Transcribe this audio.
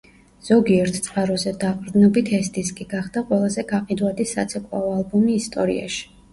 ზოგიერთ წყაროზე დაყრდნობით ეს დისკი გახდა ყველაზე გაყიდვადი საცეკვაო ალბომი ისტორიაში.